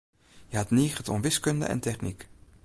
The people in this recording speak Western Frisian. Hja hat niget oan wiskunde en technyk.